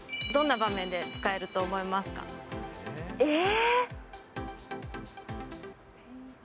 どんな場面で使えると思いまえ？